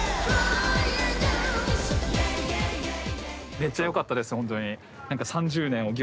めっちゃよかったです